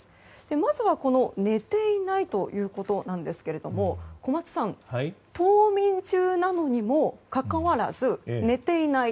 まずは、寝ていないということなんですけれども小松さん冬眠中なのにもかかわらず寝ていない。